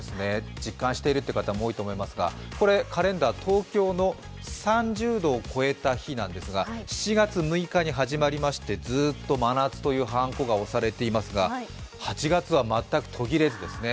実感している方も多いと思いますが、このカレンダー、東京の３０度を超えた日なんですが７月６日に始まってずっと「真夏」というはんこが押されていますが８月は全く途切れずですね。